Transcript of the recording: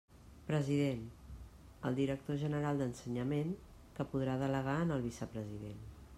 President: el director general d'Ensenyament, que podrà delegar en el vicepresident.